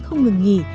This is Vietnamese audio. không ngừng nghỉ